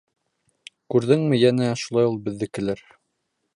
Күрҙеңме, йәнәһе, шулай ул беҙҙекеләр.